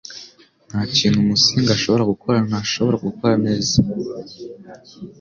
Nta kintu Musinga ashobora gukora ntashobora gukora neza